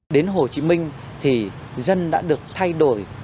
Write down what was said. đến hồ chí minh thì dân đã được thay đổi